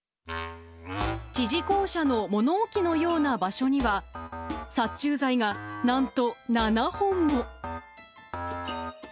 知事公舎の物置のような場所には、殺虫剤がなんと７本も。